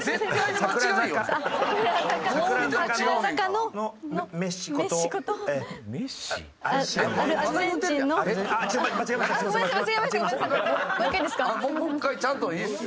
もう１回ちゃんといいですよ。